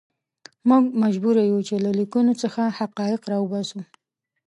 موږ مجبور یو چې له لیکنو څخه حقایق راوباسو.